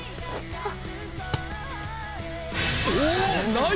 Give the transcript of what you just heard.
あっ！